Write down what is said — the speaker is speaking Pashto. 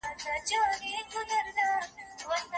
د ګلانو بوی د سهار په وخت کې ډېر زیات وي.